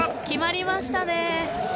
決まりましたね。